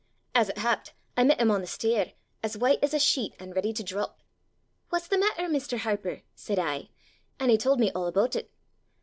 As it happed, I met him on the stair, as white as a sheet, an' ready to drop. 'What's the matter, Mr. Harper?' said I; and he told me all about it.